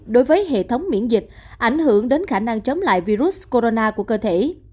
đối với hệ thống miễn dịch ảnh hưởng đến khả năng chống lại virus corona của cơ thể